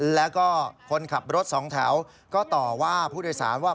แล้วก็คนขับรถสองแถวก็ต่อว่าผู้โดยสารว่า